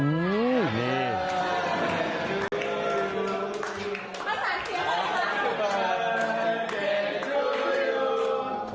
ภาษาเสียงเลยนะฮะ